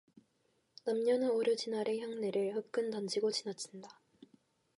남녀는 오루지날의 향내를 후끈 던지고 지나친다.